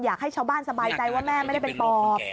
อยากให้ชาวบ้านสบายใจว่าแม่ไม่ได้เป็นปอบ